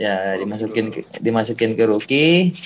ya dimasukin ke ruki